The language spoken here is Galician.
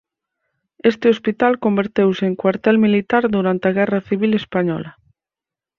Este hospital converteuse en cuartel militar durante a guerra civil española.